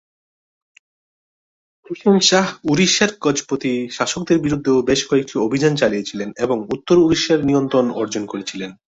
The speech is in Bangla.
হুসেন শাহ উড়িষ্যার গজপতি শাসকদের বিরুদ্ধেও বেশ কয়েকটি অভিযান চালিয়েছিলেন এবং উত্তর উড়িষ্যার নিয়ন্ত্রণ অর্জন করেছিলেন।